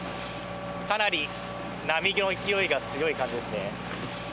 かなり波の勢いが強い感じですね。